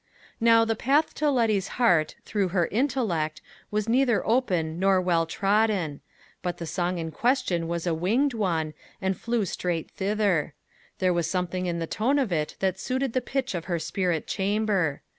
Now the path to Letty's heart through her intellect was neither open nor well trodden; but the song in question was a winged one, and flew straight thither; there was something in the tone of it that suited the pitch of her spirit chamber.